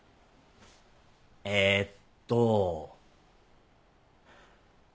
えっと。